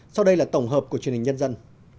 sau đây là tổng hợp của truyền hình nhân dân